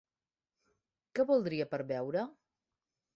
Què voldria per beure?